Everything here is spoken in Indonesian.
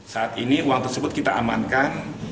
saat ini uang tersebut kita amankan